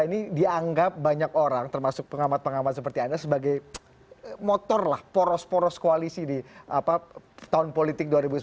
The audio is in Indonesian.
ini dianggap banyak orang termasuk pengamat pengamat seperti anda sebagai motor lah poros poros koalisi di tahun politik dua ribu sembilan belas